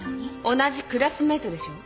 同じクラスメートでしょ。